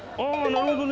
なるほどね。